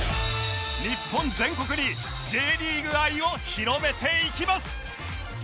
日本全国に Ｊ リーグ愛を広めていきます